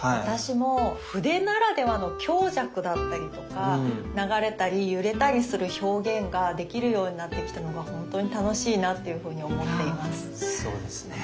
私も筆ならではの強弱だったりとか流れたり揺れたりする表現ができるようになってきたのが本当に楽しいなというふうに思っています。